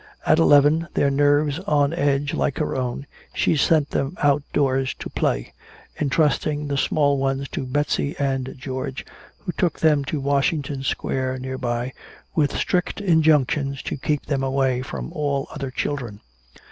At eleven, their nerves on edge like her own, she sent them outdoors "to play," intrusting the small ones to Betsy and George, who took them to Washington Square nearby with strict injunctions to keep them away from all other children.